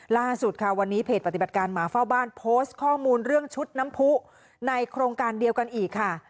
ล่าสุดค่ะวันนี้เพจปฏิบัติการหมาเฝ้าบ้านโพสต์ข้อมูลเรื่องชุดน้ำผู้ในโครงการเดียวกันอีกค่ะ